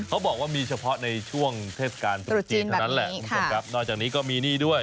เขาบอกว่ามีเฉพาะในช่วงเทศกาลตุรกินแบบนี้ค่ะนอกจากนี้ก็มีนี่ด้วย